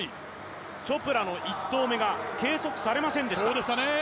チョプラの１投目が計測されませんでした。